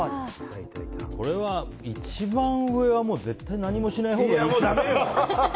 これは、一番上は絶対何もしないほうがいいよね。